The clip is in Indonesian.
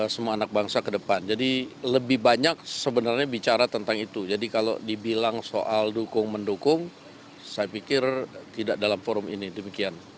semua anak bangsa ke depan jadi lebih banyak sebenarnya bicara tentang itu jadi kalau dibilang soal dukung mendukung saya pikir tidak dalam forum ini demikian